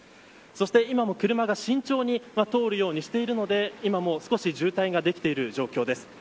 そして今も、車が慎重に通るようにしているので今も少し渋滞ができている状況です。